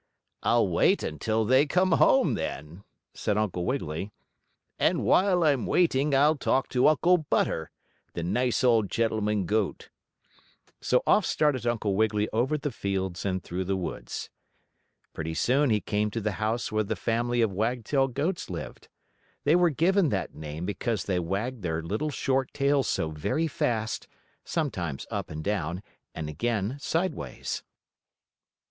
"I'll wait until they come home, then," said Uncle Wiggily. "And while I'm waiting I'll talk to Uncle Butter, the nice old gentleman goat." So off started Uncle Wiggily over the fields and through the woods. Pretty soon he came to the house where the family of Wagtail goats lived. They were given that name because they wagged their little short tails so very fast, sometimes up and down, and again sideways.